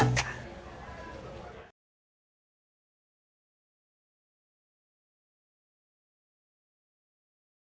anda harus memilih yang menpengaruhi yang sengaja